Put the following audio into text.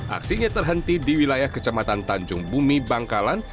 aksinya terhenti di wilayah kecamatan tanjung bumi bangkalan